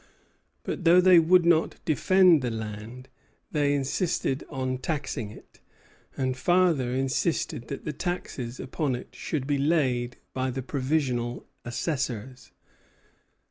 But though they would not defend the land, they insisted on taxing it; and farther insisted that the taxes upon it should be laid by the provincial assessors.